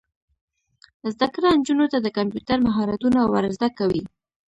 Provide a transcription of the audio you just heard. زده کړه نجونو ته د کمپیوټر مهارتونه ور زده کوي.